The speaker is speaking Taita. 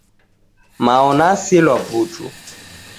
Mao nasilwa putu.